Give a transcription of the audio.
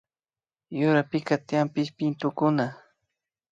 Yurapika tiyan pillpintukuna